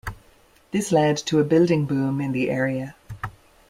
This led to a building boom in the area.